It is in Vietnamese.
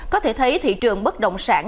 có thể thấy thị trường bất động sản